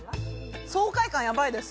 爽快感やばいです。